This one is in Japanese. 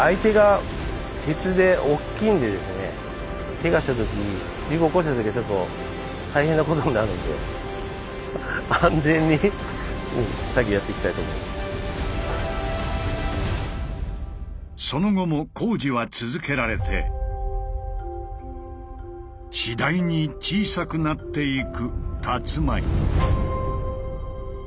ケガした時事故を起こした時はちょっと大変なことになるのでその後も工事は続けられて次第に小さくなっていくたつまい。